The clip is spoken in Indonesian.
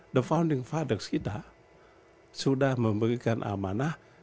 the founding fathers kita sudah memberikan amanah